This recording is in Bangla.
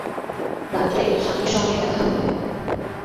রাত্রে স্বামীর সঙ্গে দেখা হইবে।